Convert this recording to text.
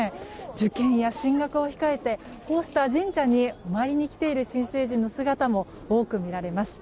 受験や進学を控えてこうした神社にお参りに来ている新成人の姿も多く見られます。